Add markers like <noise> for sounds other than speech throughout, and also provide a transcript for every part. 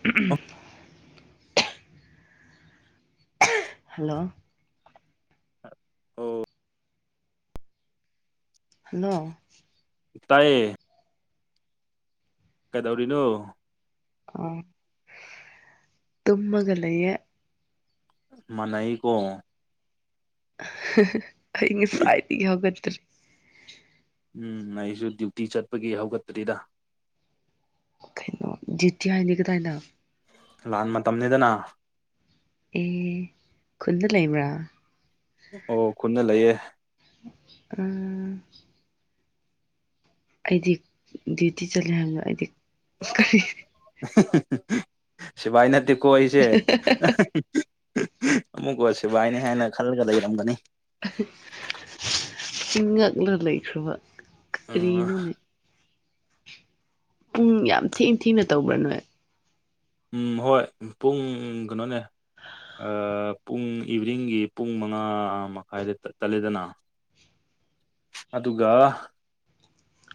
<unintelligible> Hello ꯑꯣ hello ꯇꯥꯏꯌꯦ ꯀꯩꯗꯧꯔꯤꯅꯣ ꯑꯣ ꯇꯨꯝꯃꯒ ꯂꯩꯌꯦ ꯃꯥꯅꯩ ꯀꯣ ꯑꯩ ꯉꯁꯥꯏꯗꯒꯤ ꯍꯧꯒꯠꯇ꯭ꯔꯤ ꯎꯝ ꯑꯩꯁꯨ ꯗ꯭ꯌꯨꯇꯤ ꯆꯠꯄꯒꯤ ꯍꯧꯒꯠꯇ꯭ꯔꯤꯗ ꯀꯩꯅꯣ ꯗ꯭ꯌꯨꯇꯤ ꯍꯥꯏꯗꯤ ꯀꯗꯥꯏꯗ ꯂꯥꯟ ꯃꯇꯝꯅꯤꯅꯤꯗꯅ ꯑꯦ ꯈꯨꯟꯗ ꯂꯩꯕ꯭ꯔꯥ ꯑꯣ ꯈꯨꯟꯅ ꯂꯩꯌꯦ꯫ ꯑꯥ ꯑꯩꯗꯤ ꯗ꯭ꯌꯨꯇꯤ ꯆꯂꯤ <unintelligible> ꯑꯩꯗꯤ꯫ ꯀꯔꯤ <unintelligible> ꯁꯤꯚꯥꯏ ꯅꯠꯇꯦꯀꯣ ꯑꯩꯁꯦ <unintelligible> ꯑꯃꯨꯛ ꯁꯤꯕꯥꯏꯅꯤ ꯍꯥꯏꯅ ꯈꯜꯂꯒ ꯂꯩꯔꯝꯒꯅꯤ꯫ <unintelligible> ꯆꯤꯟ ꯉꯛꯂ ꯂꯩꯈ꯭ꯔꯕ ꯀꯔꯤꯅꯣꯅꯦ꯫ ꯄꯨꯡ ꯌꯥꯝ ꯊꯦꯡ ꯊꯦꯡꯅ ꯇꯧꯕ꯭ꯔꯥ ꯅꯣꯏ꯫ ꯎꯝ ꯍꯣꯏ ꯄꯨꯡ ꯀꯩꯅꯣꯅꯦ꯫ ꯄꯨꯡ ꯏꯚꯅꯤꯡꯒꯤ ꯄꯨꯡ ꯃꯉꯥ ꯃꯈꯥꯏꯗ ꯆꯠꯂꯦꯗꯅ <inaudible> ꯑꯗꯨꯒ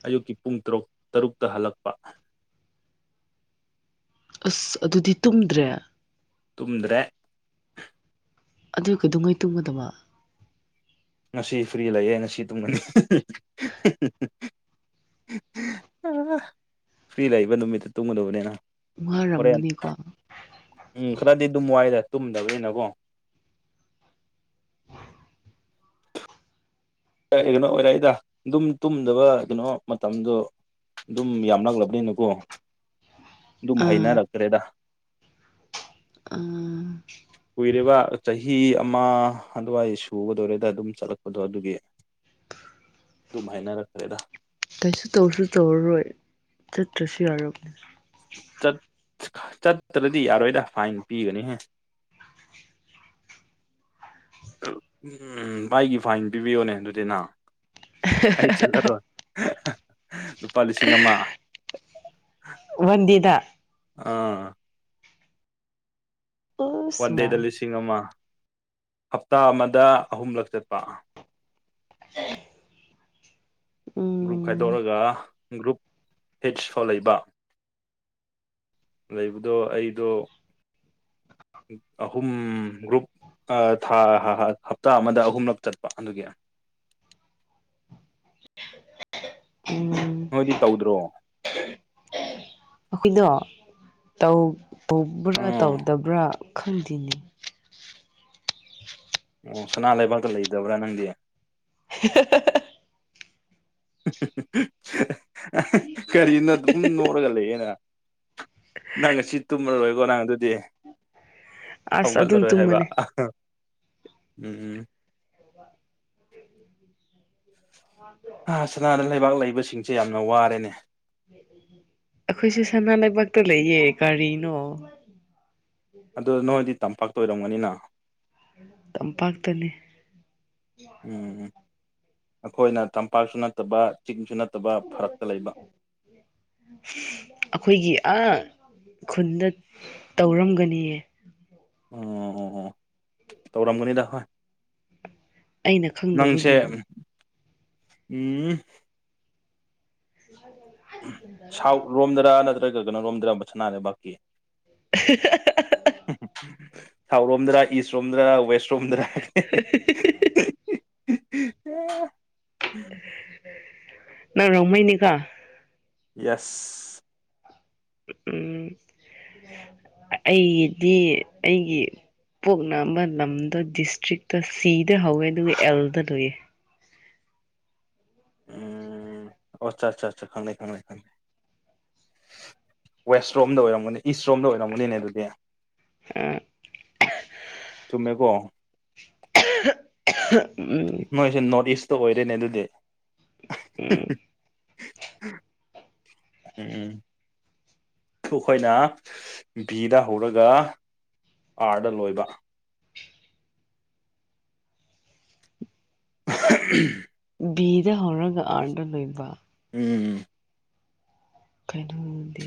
ꯑꯌꯨꯛꯀꯤ ꯄꯨꯡ ꯇꯔꯨꯛ ꯇꯔꯨꯛꯇ ꯍꯜꯂꯛꯄ ꯑꯁ ꯑꯗꯨꯗꯤ ꯇꯨꯝꯗ꯭ꯔꯦ꯫ ꯇꯨꯝꯗ꯭ꯔꯦ ꯑꯗꯨ ꯀꯩꯗꯨꯡꯉꯩ ꯇꯨꯝꯒꯗꯕ꯫ ꯉꯁꯤ ꯐ꯭ꯔꯤ ꯂꯩꯌꯦ ꯉꯁꯤ ꯇꯨꯝꯒꯅꯤ꯫ <unintelligible> ꯐ꯭ꯔꯤ ꯂꯥꯛꯏꯕ ꯅꯨꯃꯤꯠꯇ ꯇꯨꯝꯒꯗꯕꯅꯤꯅ꯫ ꯍꯣꯔꯦꯟ ꯋꯥꯨꯔꯝꯒꯅꯤꯀꯣ꯫ ꯎꯝ ꯈꯔꯗꯤ ꯑꯗꯨꯝ ꯋꯥꯏꯗ ꯇꯨꯝꯗꯕꯅꯤꯅꯀꯣ꯫ ꯀ ꯀꯩꯅꯣ ꯑꯣꯏꯔꯛꯏꯗ ꯑꯗꯨꯝ ꯇꯨꯝꯗꯕ ꯀꯩꯅꯣ ꯃꯇꯝꯗꯣ ꯑꯗꯨꯝ ꯌꯥꯝ ꯅꯛꯂꯕꯅꯤꯅꯀꯣ꯫ ꯑꯗꯨꯝ ꯑꯥ ꯍꯩꯅꯔꯛꯇ꯭ꯔꯦꯗ꯫ ꯑꯥ ꯀꯨꯏꯔꯤꯕ ꯆꯍꯤ ꯑꯃ ꯑꯗꯨꯋꯥꯏ ꯁꯨꯒꯗꯧꯔꯦꯗ ꯑꯗꯨꯝ ꯆꯠꯂꯛꯄꯗꯣ ꯑꯗꯨꯒꯤ꯫ ꯑꯗꯨꯝ ꯍꯥꯏꯅꯔꯛꯈ꯭ꯔꯦꯗ ꯀꯥꯏꯁꯨ ꯇꯧꯔꯁꯨ ꯇꯧꯔꯔꯣꯏ ꯆꯠꯇ꯭ꯔꯁꯨ ꯌꯥꯔꯝꯅꯤ꯫ ꯆꯠꯇ꯭ꯔꯗꯤ ꯌꯥꯔꯣꯏꯗ ꯐꯥꯏꯟ ꯄꯤꯒꯅꯤꯍꯦ <inaudible> ꯎꯝ ꯚꯥꯏꯒꯤ ꯐꯥꯏꯟ ꯄꯤꯕꯤꯌꯣꯅꯦ ꯑꯗꯨꯗꯤ ꯅ ꯑꯩ ꯆꯠꯂꯔꯣꯏ <unintelligible> ꯂꯨꯄꯥ ꯂꯤꯁꯤꯡ ꯑꯃ ꯋꯥꯟꯗꯦꯗꯥ ꯑꯥ ꯑꯁ ꯋꯥꯟ ꯃꯥ ꯗꯦꯗ ꯂꯤꯁꯤꯡ ꯑꯃ ꯍꯞꯇꯥ ꯑꯃꯗ ꯑꯍꯨꯝꯂꯛ ꯆꯠꯄ ꯍ <unintelligible> ꯒ꯭ꯔꯨꯞ ꯈꯥꯏꯗꯣꯛꯔꯒ ꯒ꯭ꯔꯨꯞ ꯍꯤꯠꯁ ꯐꯥꯎ ꯂꯩꯕ ꯂꯩꯕꯗꯣ ꯑꯩꯗꯣ ꯑꯍꯨꯝ ꯒ꯭ꯔꯨꯞ ꯊꯥ ꯍꯞꯇꯥ ꯑꯃꯗ ꯑꯍꯨꯝꯂꯛ ꯆꯠꯄ ꯑꯗꯨꯒꯤ <unintelligible> ꯎꯝ ꯅꯣꯏꯗꯤ ꯇꯧꯗ꯭ꯔꯣ꯫ ꯑꯈꯣꯏꯗꯣ ꯇꯧꯕ꯭ꯔꯥ ꯑꯥ ꯇꯧꯗꯕ꯭ꯔꯥ ꯈꯪꯗꯦꯅꯤ꯫ ꯑꯣ ꯁꯅꯥ ꯂꯩꯕꯥꯛꯇ ꯂꯩꯗꯕ꯭ꯔꯥ ꯅꯪꯗꯤ꯫ <unintelligible> ꯀꯔꯤꯅꯣ ꯑꯗꯨꯝ ꯅꯣꯛꯂꯒ ꯂꯩꯌꯦꯅ ꯅꯪ ꯉꯁꯤ ꯇꯨꯝꯃꯔꯣꯏꯀꯣ ꯅꯪ ꯑꯗꯨꯗꯤ ꯑꯁ ꯑꯗꯨꯝ ꯍꯧꯒꯠꯂꯔꯣꯏ ꯍꯥꯏꯕ ꯇꯨꯝꯕꯅꯦ ꯎꯝ ꯎꯝ <inaudible> <unintelligible> ꯑ ꯁꯅꯥꯗ ꯂꯩꯕꯥꯛ ꯂꯩꯕꯁꯤꯡꯁꯦ ꯌꯥꯝꯅ ꯋꯥꯔꯦꯅꯦ <inaudible> ꯑꯩꯈꯣꯏꯁꯨ ꯁꯅꯥ ꯂꯩꯕꯥꯛꯇ ꯂꯩꯌꯦ ꯀꯔꯤꯅꯣ ꯑꯗꯣ ꯅꯣꯏꯗꯤ ꯇꯝꯄꯥꯛꯇ ꯑꯣꯏꯔꯝꯒꯅꯤꯅ ꯇꯝꯄꯥꯛꯇꯅꯤ ꯎꯝ ꯑꯩꯈꯣꯏꯅ ꯇꯝꯄꯥꯛꯁꯨ ꯅꯠꯇꯕ ꯆꯤꯡꯁꯨ ꯅꯠꯇꯕ ꯐꯔꯛꯇ ꯂꯩꯕ ꯑꯩꯈꯣꯏꯒꯤ ꯑꯥ ꯈꯨꯟꯗ ꯇꯧꯔꯝꯒꯅꯤꯌꯦ ꯑꯣ ꯑꯣ ꯑꯣ ꯇꯧꯔꯝꯒꯅꯤꯗ ꯍꯣꯏ ꯑꯩꯅ ꯅꯪꯁꯦ ꯈꯪꯗꯕꯒꯤꯅꯤ ꯎꯝ <unintelligible> ꯁꯥꯎꯠ ꯔꯣꯝꯗꯔꯥ ꯅꯠꯇ꯭ꯔꯒ ꯀꯩꯅꯣ ꯔꯣꯝꯗꯔꯥ ꯁꯅꯥ ꯂꯩꯕꯥꯛꯀꯤ <unintelligible> ꯁꯥꯎꯠ ꯔꯣꯝꯗꯔꯥ ꯏꯁ ꯔꯣꯝꯗꯔꯥ ꯋꯦꯁ ꯔꯣꯝꯗꯔꯥ <unintelligible> ꯅꯪ ꯔꯣꯡꯃꯩꯅꯤꯀꯣ ꯌꯦꯁ ꯎꯝ ꯑꯩꯗꯤ ꯑꯩꯒꯤ ꯄꯣꯛꯅꯝꯕ ꯅꯝꯗꯣ ꯗꯤꯁꯇ꯭ꯔꯤꯛꯇꯣ ꯁꯤꯗ ꯍꯧꯋꯦ ꯑꯗꯨꯒ ꯑꯦꯜꯗ ꯂꯣꯏꯌꯦ ꯎꯝ ꯑꯣ ꯆꯥ ꯆꯥ ꯆꯥ ꯈꯪꯂꯦ ꯈꯪꯂꯦ ꯈꯪꯂꯦ ꯋꯦꯁ ꯔꯣꯝꯗ ꯑꯣꯏꯔꯝꯒꯅꯤ ꯏꯁꯔꯣꯝꯗ ꯑꯣꯏꯔꯝꯒꯅꯤꯅꯦ ꯑꯗꯨꯗꯤ <unintelligible> ꯆꯨꯝꯃꯦꯀꯣ <unintelligible> <unintelligible> ꯅꯣꯏꯁꯦ ꯅꯣꯔꯠ ꯏꯁꯇ ꯑꯣꯏꯔꯦꯅꯦ ꯑꯗꯨꯗꯤ ꯎꯝ ꯎꯝ <unintelligible> ꯈꯣꯏꯅ ꯕꯤꯗ ꯍꯧꯔꯒ ꯑꯥꯔꯗ ꯂꯣꯏꯕ <unintelligible> ꯕꯤꯗ ꯍꯧꯔꯒ ꯑꯥꯔꯗ ꯂꯣꯏꯕ ꯎꯝ ꯀꯩꯅꯣꯗꯤ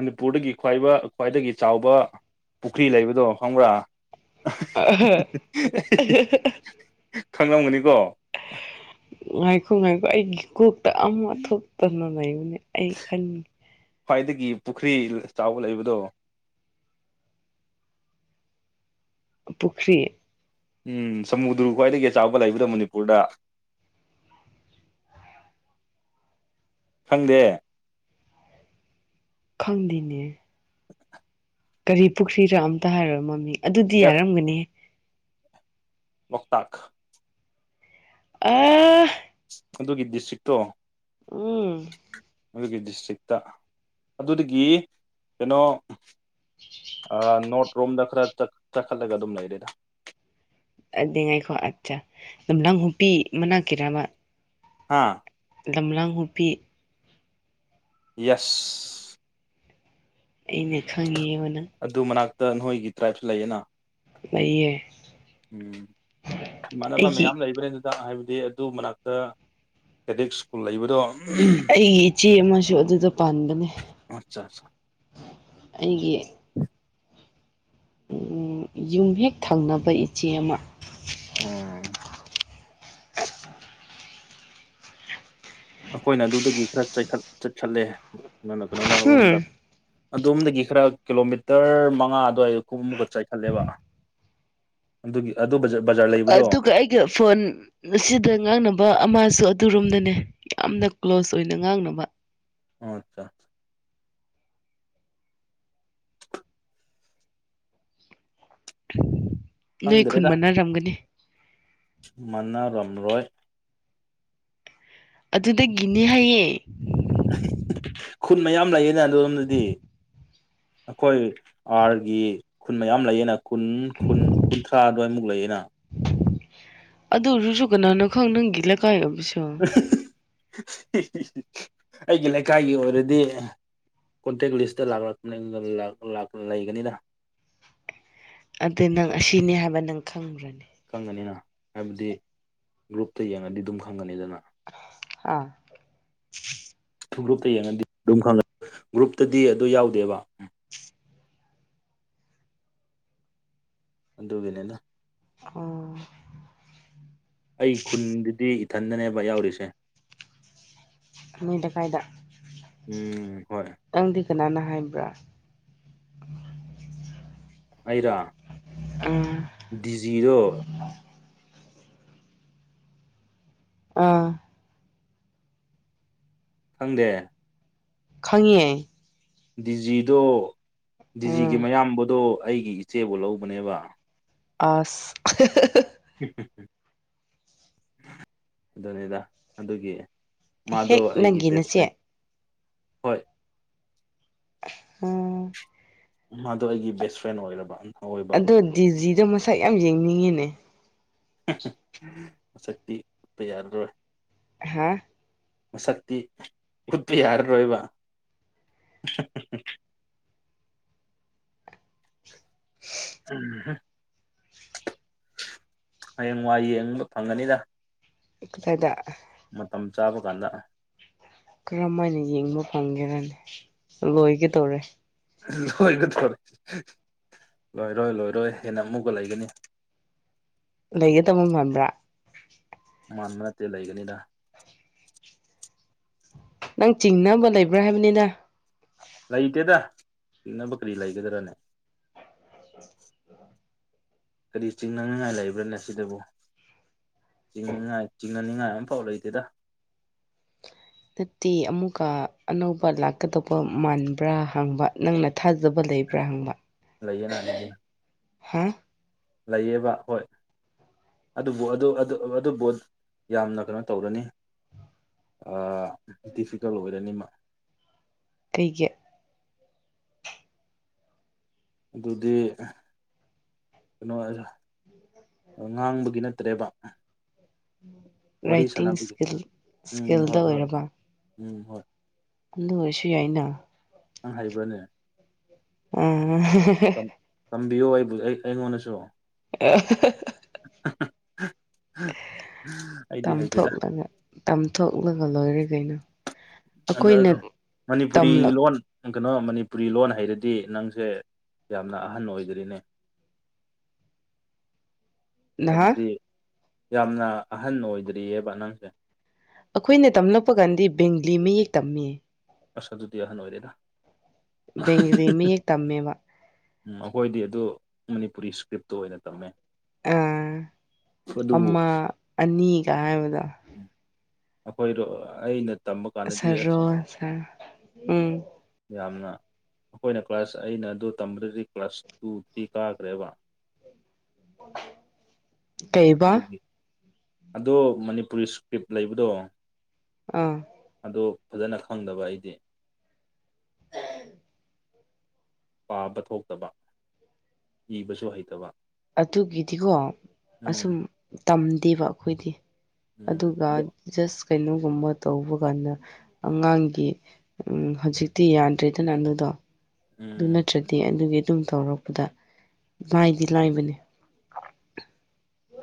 ꯃꯅꯤꯄꯨꯔꯗꯒꯤ ꯈ꯭ꯋꯥꯏꯕ ꯈ꯭ꯋꯥꯏꯗꯒꯤ ꯆꯥꯎꯕ ꯄꯨꯈ꯭ꯔꯤ ꯂꯩꯕꯗꯣ ꯈꯪꯕ꯭ꯔꯥ <unintelligible> ꯈꯪꯂꯝꯒꯅꯤꯀꯣ ꯉꯥꯏꯈꯣ ꯉꯥꯏꯈꯣ ꯑꯩꯒꯤ ꯀꯨꯞ ꯇ ꯑꯃꯨꯛ ꯊꯣꯛꯇꯅ ꯂꯩꯕꯅꯦ ꯑꯩ ꯈꯟ ꯈ꯭ꯋꯥꯏꯗꯒꯤ ꯄꯨꯈ꯭ꯔꯤ ꯆꯥꯎꯕ ꯂꯩꯕꯗꯣ ꯄꯨꯈ꯭ꯔꯤ ꯎꯝ ꯁꯃꯨꯗ꯭ꯔꯨ ꯈ꯭ꯋꯥꯏꯗꯒꯤ ꯆꯥꯎꯕ ꯂꯩꯕꯗꯣ ꯃꯅꯤꯄꯨꯔꯗ ꯈꯪꯗꯦ ꯈꯪꯗꯦꯅꯦ ꯀꯔꯤ ꯄꯨꯈ꯭ꯔꯤꯔ ꯑꯝꯇ ꯍꯥꯏꯔꯣꯏ ꯃꯃꯤ ꯑꯗꯨꯗꯤ ꯌꯥꯔꯝꯒꯅꯤ ꯂꯣꯛꯇꯥꯥꯛ ꯑꯦ ꯑꯗꯨꯒꯤ ꯗꯤꯁꯇ꯭ꯔꯤꯛꯇꯣ ꯎꯝ ꯑꯗꯨꯒꯤ ꯗꯤꯁꯇ꯭ꯔꯤꯛꯇ ꯑꯗꯨꯗꯒꯤ ꯀꯩꯅꯣ ꯑꯥ ꯅꯣꯠ ꯔꯣꯝꯗ ꯈꯔ ꯆꯠ ꯆꯥꯈꯠꯂꯒ ꯑꯗꯨꯝ ꯂꯩꯔꯦꯗ ꯑꯗꯨꯉꯥꯏꯈꯣ ꯑꯠꯆꯥ ꯅꯨꯝꯗꯥꯡ ꯍꯨꯄꯤ ꯃꯅꯥꯛꯀꯤꯔꯕ ꯍꯥꯥ ꯂꯝꯂꯥꯡ ꯍꯨꯄꯤ ꯌꯦꯁ ꯑꯩꯅ ꯈꯪꯉꯤꯕꯅ ꯑꯗꯨ ꯃꯅꯥꯛꯇ ꯅꯣꯏꯒꯤ ꯇ꯭ꯔꯥꯏꯞꯁꯨ ꯂꯩꯌꯦꯅ ꯂꯩꯌꯦ ꯎꯝ ꯏꯃꯥꯟꯅꯕ ꯑꯩꯒꯤ ꯃꯌꯥꯝ ꯂꯩꯕ꯭ꯔꯦ ꯍꯤꯗꯥꯛ ꯍꯥꯏꯕꯗꯤ ꯑꯗꯨ ꯃꯅꯥꯛꯇ ꯀꯦꯗꯤꯛ ꯁ꯭ꯀꯨꯜ ꯂꯩꯕꯗꯣ ꯑꯩꯒꯤ ꯏꯆꯦ ꯑꯃꯁꯨ ꯑꯗꯨꯗ ꯄꯥꯟꯕꯅꯦ ꯑꯠꯆꯥ ꯑꯆꯥ ꯑꯩꯒꯤ ꯌꯨꯝ ꯍꯦꯛ ꯊꯪꯅꯕ ꯏꯆꯦ ꯑꯃ ꯑꯣꯝ ꯑꯩꯈꯣꯏꯅ ꯑꯗꯨꯗꯒꯤ ꯈꯔ ꯆꯠꯈꯠꯂꯦ ꯅꯪꯅ ꯍꯝ ꯀꯩꯅꯣꯅꯔꯣꯝꯗ ꯑꯗꯣꯝꯗꯒꯤ ꯈꯔ ꯀꯤꯂꯣꯃꯤꯇꯔ ꯃꯉꯥ ꯑꯗꯨꯋꯥꯏꯗ ꯀꯨꯝꯃꯨꯛꯀ ꯆꯥꯏꯈꯠꯂꯦꯕ ꯑꯗꯨꯒꯤ <unintelligible> ꯑꯗꯨꯒ ꯑꯩꯒ ꯐꯣꯟ ꯑꯁꯤꯗ ꯉꯥꯡꯅꯕ ꯑꯃꯁꯨ ꯑꯗꯨꯔꯣꯝꯗꯅꯦ ꯌꯥꯝꯅ ꯀ꯭ꯂꯣꯁ ꯑꯣꯏꯅ ꯉꯥꯡꯅꯕ ꯑꯣ ꯑꯠꯆꯥ ꯅꯣꯏ ꯈꯨꯟ ꯃꯥꯟꯅꯔꯝꯒꯅꯤ ꯃꯅꯥ ꯔꯝꯔꯣꯏ ꯑꯗꯨꯗꯒꯤꯅꯦ ꯍꯥꯏꯌꯦ ꯈꯨꯟ ꯃꯌꯥꯝ ꯂꯩꯌꯦꯅꯦ ꯑꯗꯨꯔꯣꯝꯗꯗꯤ ꯑꯩꯈꯣꯏ ꯑꯥꯔꯒꯤ ꯈꯨꯟ ꯃꯌꯥꯝ ꯂꯩꯌꯦꯅ ꯈꯨꯟ ꯈꯨꯟ ꯀꯨꯟꯊ꯭ꯔꯥ ꯑꯗꯨꯋꯥꯏꯃꯨꯛ ꯂꯩꯌꯦꯅ ꯑꯗꯨ ꯑꯣꯏꯔꯁꯨ ꯀꯅꯥꯅꯣ ꯈꯪ ꯅꯪꯒꯤ ꯂꯩꯀꯥꯏꯁꯨ ꯑꯩꯒꯤ ꯂꯩꯀꯥꯏꯒꯤ ꯑꯣꯏꯔꯗꯤ ꯀꯣꯟꯇꯦꯛ ꯂꯤꯁꯇ ꯂ ꯂꯩꯒꯅꯤꯅ ꯑꯗꯨ ꯅꯪ ꯑꯁꯤꯅꯤ ꯍꯥꯏꯕ ꯅꯪ ꯈꯪꯕ꯭ꯔ ꯈꯪꯒꯅꯤꯅ ꯍꯥꯏꯕꯗꯤ ꯒ꯭ꯔꯨꯞꯇ ꯌꯦꯡꯉꯗꯤ ꯑꯗꯨꯝ ꯈꯪꯒꯅꯤꯗꯅ ꯑꯥ ꯒ꯭ꯔꯨꯞꯇ ꯌꯦꯡꯉꯗꯤ ꯑꯗꯨꯝ ꯈꯪꯉ ꯒ꯭ꯔꯨꯞꯇꯗꯤ ꯑꯗꯨ ꯌꯥꯎꯗꯦꯕ ꯑꯗꯨꯒꯤꯅꯤꯅ ꯑꯥ ꯑꯩ ꯈꯨꯟꯗꯨꯗꯤ ꯏꯊꯟꯗꯅꯦꯕ ꯌꯥꯎꯔꯤꯁꯦ ꯅꯣꯏꯗ ꯀꯥꯏꯗ ꯎꯝ ꯍꯣꯏ ꯅꯪꯗꯤ ꯀꯅꯥꯅ ꯍꯥꯏꯕ꯭ꯔꯥ ꯑꯩꯔꯣ ꯎꯝ ꯗꯤꯖꯤꯗꯣ ꯑꯥ ꯈꯪꯗꯦ ꯈꯪꯉꯦ ꯗꯤꯖꯤꯗꯣ ꯗꯤꯖꯤꯒꯤ ꯎꯝ ꯃꯌꯥꯝꯕꯗꯣ ꯑꯩꯒꯤ ꯏꯆꯦꯕꯨ ꯂꯧꯕꯅꯦꯕ <unintelligible> ꯑꯗꯨꯅꯤꯗ ꯑꯗꯨꯒꯤ ꯃꯥꯗꯣ ꯍꯦꯛ ꯑꯩꯒꯤ ꯅꯪꯒꯤ ꯕꯦꯁ ꯐ꯭ꯔꯦꯟ ꯅꯆꯦ ꯍꯣꯏ ꯎꯝ ꯃꯥꯗꯣ ꯑꯩꯒꯤ ꯕꯦꯁ ꯐ꯭ꯔꯦꯟ ꯑꯣꯏꯔꯕ ꯑꯣꯏꯕ ꯑꯗꯣ ꯗꯤꯖꯤꯗꯣ ꯃꯁꯛ ꯌꯥꯝ ꯌꯦꯡꯅꯤꯡꯉꯤꯅꯦ ꯃꯁꯛꯇꯤ ꯎꯠꯄ ꯌꯥꯔꯔꯣꯏ ꯍꯥ ꯃꯁꯛꯇꯤ ꯎꯠꯄ ꯌꯥꯔꯔꯣꯏꯕ <unintelligible> ꯎꯝ ꯍꯌꯦꯡ ꯋꯥ ꯌꯦꯡꯕ ꯐꯪꯒꯅꯤꯗ ꯀꯥꯏꯗ ꯃꯇꯝ ꯆꯥꯕ ꯀꯥꯟꯗ ꯀꯔꯝ ꯃꯥꯏꯅ ꯌꯦꯡꯕ ꯐꯪꯒꯦꯔꯅꯤ ꯂꯣꯏꯒ ꯇꯧꯔꯦ ꯂꯣꯏꯒꯗꯧꯔꯦ ꯂꯣꯏꯔꯣꯏ ꯂꯣꯏꯔꯣꯏ ꯍꯦꯟꯅ ꯑꯃꯨꯛꯀ ꯂꯩꯒꯅꯤ ꯂꯩꯒꯗꯕ ꯃꯥꯟꯕ꯭ꯔꯥ ꯃꯥꯟꯕ ꯅꯠꯇꯦ ꯂꯩꯒꯅꯤꯗ ꯅꯪ ꯆꯤꯡꯅꯕ ꯂꯩꯕ꯭ꯔꯥ ꯍꯥꯏꯕꯅꯤꯗ ꯂꯩꯇꯦꯗ ꯆꯤꯡꯅꯕ ꯀꯔꯤ ꯂꯩꯒꯗ꯭ꯔꯥꯅꯦ ꯀꯔꯤ ꯆꯤꯡꯅꯅꯤꯉꯥꯏ ꯂꯩꯕ꯭ꯔꯥꯅꯦ ꯁꯤꯗꯕꯨ ꯆꯤꯡꯅꯤꯡꯉꯥꯏ ꯆꯤꯡꯅꯅꯤꯡꯉꯥꯏ ꯑꯃꯐꯥꯎ ꯂꯩꯇꯦꯗ ꯅꯠꯇꯦ ꯑꯃꯨꯛꯀ ꯑꯅꯧꯕ ꯂꯥꯛꯀꯗꯧꯕ ꯃꯥꯟꯕ꯭ꯔꯥ ꯍꯪꯕ ꯅꯪ ꯅ ꯊꯥꯖꯕ ꯂꯩꯕ꯭ꯔꯥ ꯍꯪꯕ ꯂꯩꯌꯦꯅ ꯑꯗꯨꯗꯤ <unintelligible> ꯂꯩꯌꯦꯕ ꯍꯣꯏ ꯑꯗꯨꯕꯨ ꯑꯗꯨꯕꯨ ꯌꯥꯝꯅ ꯀꯩꯅꯣ ꯇꯧꯔꯅꯤ ꯗꯤꯐꯤꯀꯜꯠ ꯑꯣꯏꯔꯅꯤꯃ ꯀꯩꯒꯤ ꯑꯗꯨꯗꯤ ꯀꯩꯅꯣ ꯉꯥꯡꯕꯒꯤ ꯅꯠꯇ꯭ꯔꯦꯕ ꯋꯥꯔꯤ ꯔꯥꯏꯇꯤꯡ ꯁꯥꯟꯅꯕꯤꯒꯦ ꯏꯁꯀꯤꯜ ꯎꯝ ꯏꯁꯀꯤꯜꯗ ꯍꯣꯏ ꯍꯣꯏ ꯎꯝ ꯍꯣꯏ ꯑꯗꯨꯑꯣꯏꯁꯨ ꯌꯥꯏꯅ ꯑꯪ ꯍꯩꯕꯔꯅꯦ ꯎꯝ ꯇꯝꯕꯤꯌꯨ ꯑꯩꯕꯨ ꯑꯩ ꯑꯩꯉꯣꯟꯗꯁꯨ <unintelligible> <unintelligible> ꯑꯩꯗꯤ ꯍꯩꯇꯦꯗ ꯇꯊꯣꯛꯂꯒ ꯇꯥꯝꯊꯣꯛꯂꯒ ꯂꯣꯏꯔ ꯀꯩꯅꯣ ꯑ ꯑꯩꯈꯣꯏꯅ ꯑꯗꯨ ꯃꯅꯤꯄꯨꯔꯤ ꯇꯝꯂꯛ ꯂꯣꯟ ꯅꯪ ꯀꯩꯅꯣ ꯃꯅꯤꯄꯨꯔꯤ ꯂꯣꯟ ꯍꯩꯔꯗꯤ ꯅꯪꯁꯦ ꯌꯥꯝꯅ ꯑꯍꯟ ꯑꯣꯏꯗ꯭ꯔꯤꯅꯦ <unintelligible> ꯍꯥꯏꯕꯗꯤ ꯌꯥꯝꯅ ꯑꯍꯟ ꯑꯣꯏꯗ꯭ꯔꯤꯌ‌ꯦꯕ ꯅꯪꯁꯦ ꯑꯩꯈꯣꯏꯅ ꯇꯝꯂꯛꯄ ꯀꯥꯟꯗꯤ ꯕꯦꯡꯒꯂꯤ ꯃꯌꯦꯛ ꯇꯝꯃ‌ꯦ ꯑꯁ ꯑꯗꯨꯗꯤ ꯑꯍꯟ ꯑꯣꯏꯔ‌ꯦꯗ ꯕꯦꯡꯒ꯭ꯂꯤ ꯃꯌꯦꯛ ꯇꯝꯃꯦꯕ ꯎꯝ ꯑꯩꯈꯣꯏꯗꯤ ꯑꯗꯨ ꯃꯅꯤꯄꯨꯔꯤ ꯏꯁꯀ꯭ꯔꯤꯞꯇꯨ ꯑꯣꯏꯅ ꯇꯝꯃꯦ ꯑꯥ ꯑꯗꯨꯕꯨ ꯑꯃ ꯑꯅꯤꯒ ꯍꯥꯏꯕꯗꯣ ꯑꯩꯈꯣꯏꯗꯣ ꯑꯩꯅ ꯇꯝꯕ ꯀꯥꯟꯗꯗꯤ ꯑꯁ ꯁꯔꯣ ꯁꯔ‌ꯣ ꯎꯝ ꯌꯥꯝꯅ ꯑꯩꯈꯣꯏꯅ ꯀ꯭ꯂꯥꯁ ꯑꯩꯅ ꯑꯗꯨ ꯇꯝꯕꯗꯗꯤ ꯀ꯭ꯂꯥꯁ ꯇꯨ ꯊ꯭ꯔꯤ ꯀꯥꯈ꯭ꯔꯦꯕ ꯀꯩꯕꯥ ꯑꯗꯨꯒꯤ ꯑꯗꯣ ꯃꯅꯤꯄꯨꯔꯤ ꯏꯁꯀ꯭ꯔꯤꯞ ꯂꯩꯕꯗꯣ ꯑꯥ ꯑꯗ‌ꯣ ꯐꯖꯅ ꯈꯪꯗꯕ ꯑꯩꯗꯤ ꯄꯥꯕ ꯊꯣꯛꯇꯕ ꯏꯕꯁꯨ ꯍꯩꯇꯕ ꯑꯗꯨꯒꯤꯗꯤꯀꯣ ꯎꯝ ꯑꯁꯨꯝ ꯇꯝꯗꯦꯕ ꯑꯩꯈꯣꯏꯗꯤ ꯎꯝ ꯑꯗꯨꯒ ꯑꯗꯣ ꯖꯁ ꯀꯩꯅꯣꯒꯨꯝꯕ ꯇꯧꯕ ꯀꯥꯟꯗ ꯑꯉꯥꯡꯒꯤ ꯎꯝ ꯍꯧꯖꯤꯛꯇꯤ ꯌꯥꯗ꯭ꯔꯦꯗꯅ ꯑꯗꯨꯗꯣ ꯑꯗꯨ ꯎꯝ ꯅꯠꯇ꯭ꯔꯗꯤ ꯑꯗꯨꯒꯤ ꯑꯗꯨꯝ ꯇꯧꯔꯛꯄꯗ ꯂꯥꯏꯗꯤ ꯂꯥꯏꯕꯅꯦ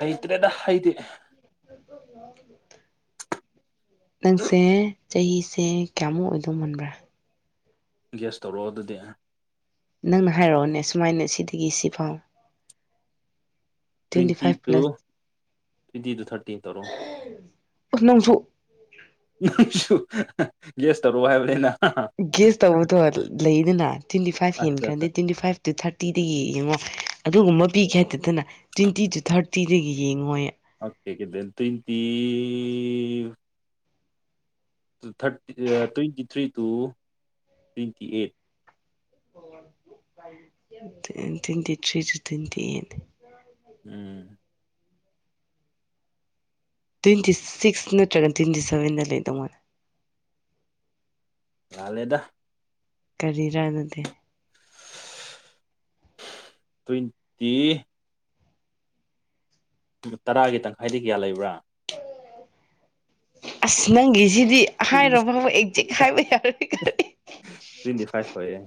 ꯍꯩꯇ꯭ꯔꯦꯗ ꯍꯩꯗꯤ <unintelligible> ꯅꯪꯁꯦ ꯆꯍꯤꯁꯦ ꯀꯌꯥꯃꯨꯛ ꯑꯣꯏꯗꯧ ꯃꯥꯟꯕ꯭ꯔꯥ ꯒ‌ꯦꯁ ꯇꯧꯔ‌ꯣ ꯑꯗꯨꯗꯤ ꯅꯪꯅ ꯍꯥꯏꯔꯑꯣꯅꯦ ꯁꯨꯃꯥꯏꯅ ꯁꯤꯗꯒꯤ ꯁꯤꯐꯥꯎ twenty twenty five two plus twenty two thirty ꯇꯧꯔꯣ ꯑ ꯅꯪꯁꯨ ꯅꯪꯁꯨ ꯒ‌ꯦꯁ ꯇꯧꯔ‌ꯣ ꯍꯥꯏꯕꯅꯤꯅ ꯒꯦꯁ ꯇꯧꯕꯗꯣ ꯂ ꯂꯩꯗꯅ ꯇꯨꯏꯟꯇꯤ ꯐꯥꯏꯚ ꯑꯠꯆꯥ ꯑꯠꯆꯥ ꯍꯦꯟꯈ꯭ꯔꯗꯤ ꯇꯨꯏꯟꯇꯤ ꯐꯥꯏꯚ ꯇꯨ ꯊꯥꯔꯇꯤꯗꯒꯤ ꯌꯦꯡꯉꯣ ꯑꯗꯨꯒꯨꯝꯕ ꯄꯤꯒ‌ꯦ ꯍꯥꯏꯇꯗꯅ ꯇꯨꯏꯟꯇꯤ ꯇꯨ ꯊꯥꯔꯇꯤꯗꯒꯤ ꯌꯦꯡꯉꯣꯏ <unintelligible> ꯇꯨꯏꯟꯇꯤ ꯇꯨ ꯊꯥꯔꯇꯤ ꯑꯥ twenty three two twenty eight ꯇ twenty three two twenty eight <unintelligible> ꯎꯝ ꯇꯨꯏꯟꯇꯤ ꯁꯤꯛꯁ ꯅꯠꯇ꯭ꯔꯒ ꯇꯨꯏꯟꯇꯤ ꯁꯕꯦꯟꯗ ꯂꯩꯗꯧ ꯃꯥꯜ ꯂꯥꯜꯂꯦꯗ ꯀꯔꯤꯔꯥ ꯅꯗꯤ ꯇ꯭ꯋꯦꯟꯇꯤ ꯇꯔꯥꯒꯤ ꯇꯪꯈꯥꯏꯗꯤ ꯀꯌꯥ ꯂꯩꯕ꯭ꯔꯥ ꯑꯁ ꯅꯪꯒꯤꯁꯤꯗꯤ ꯍꯥꯏꯔꯕꯧ ꯑꯦꯛꯖꯦꯛ ꯍꯥꯏꯕ ꯌꯥꯔꯗꯤ ꯀꯔꯤ ꯇ꯭ꯋꯦꯟꯇꯤ ꯐꯥꯏꯚ ꯑꯣꯏꯑꯦ